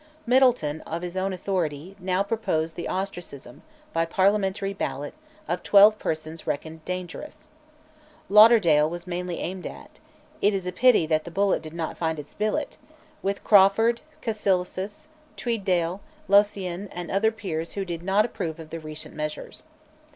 Middleton, of his own authority, now proposed the ostracism, by parliamentary ballot, of twelve persons reckoned dangerous. Lauderdale was mainly aimed at (it is a pity that the bullet did not find its billet), with Crawford, Cassilis, Tweeddale, Lothian, and other peers who did not approve of the recent measures.